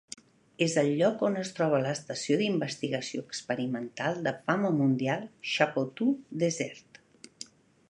És el lloc on es troba l'estació d'investigació experimental de fama mundial Shapotou Desert.